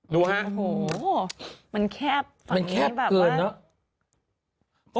รู้ฮะโอ้โหมันแคบฝั่งนี้แบบว่ามันแคบเกินแล้ว